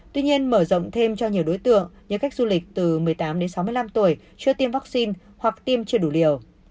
tuy nhiên mở rộng thêm cho nhiều đối tượng như khách du lịch từ một mươi tám đến sáu mươi năm tuổi chưa tiêm vaccine hoặc tiêm chưa đủ liều